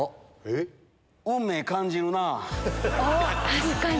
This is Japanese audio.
確かに！